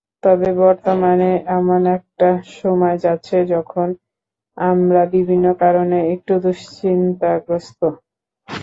তবে বর্তমানে এমন একটা সময় যাচ্ছে, যখন আমরা বিভিন্ন কারণে একটু দুশ্চিন্তাগ্রস্ত।